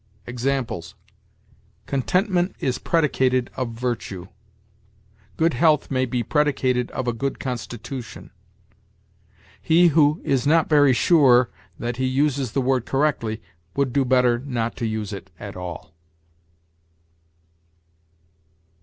Examples: "Contentment is predicated of virtue"; "Good health may be predicated of a good constitution." He who is not very sure that he uses the word correctly would do better not to use it at all.